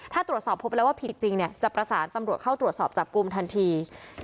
ถ้าตรวจสอบพบแล้วว่าผิดจริงจะประสานตำรวจเข้าตรวจสอบจับกลุ่มทันที